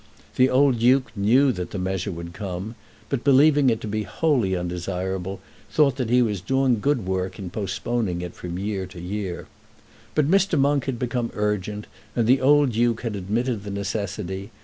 The old Duke knew that the measure would come, but believing it to be wholly undesirable, thought that he was doing good work in postponing it from year to year. But Mr. Monk had become urgent, and the old Duke had admitted the necessity.